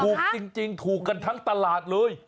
ถูกจริงถูกกันทั้งตลาดเลย